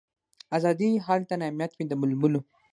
آزادي هلته نعمت وي د بلبلو